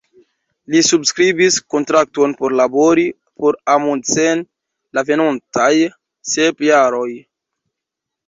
Li subskribis kontrakton por labori por Amundsen la venontaj sep jaroj.